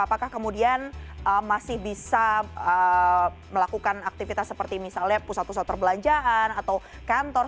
apakah kemudian masih bisa melakukan aktivitas seperti misalnya pusat pusat perbelanjaan atau kantor